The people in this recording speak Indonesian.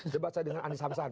dibaca dengan andi samsan